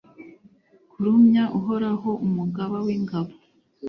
kuramya uhoraho umugaba w'ingabo